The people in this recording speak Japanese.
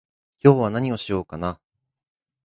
今日は何をしようかな